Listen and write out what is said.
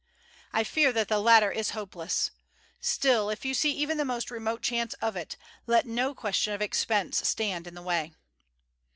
I fear that the latter is hopeless. Still, if you see even the most remote chance of it, let no question of expense stand in the way."